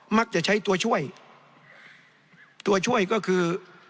มักจะใช้ตัวช่วยตัวช่วยก็คือ